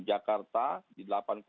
jakarta di delapan lima